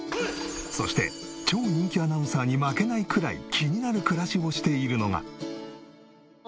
そして超人気アナウンサーに負けないくらい気になる暮らしをしているのが。